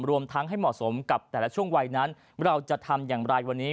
รวมทั้งให้เหมาะสมกับแต่ละช่วงวัยนั้นเราจะทำอย่างไรวันนี้